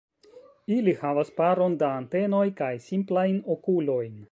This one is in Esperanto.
Ili havas paron da antenoj kaj simplajn okulojn.